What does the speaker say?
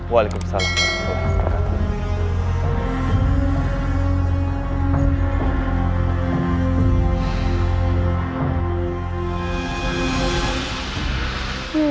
waalaikumsalam warahmatullahi wabarakatuh